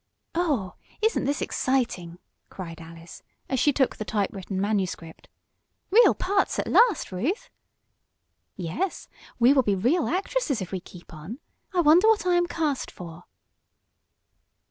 "Oh, isn't this exciting!" cried Alice, as she took the typewritten manuscript. "Real parts at last, Ruth!" "Yes. We will be real actresses if we keep on. I wonder what I am cast for?"